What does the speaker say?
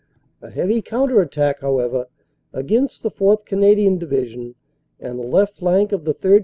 A heavy counter attack, however, against the 4th. Canadian Division and the left flank of the 3rd.